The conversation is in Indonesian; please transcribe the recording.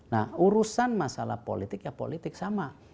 nah urusan masalah politik ya politik sama